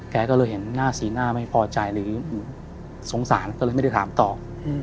แกก็เลยเห็นหน้าสีหน้าไม่พอใจหรือสงสารก็เลยไม่ได้ถามตอบ